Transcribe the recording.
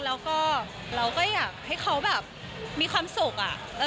แล้วก็เราก็อยากให้เขาแบบมีความสุขอะ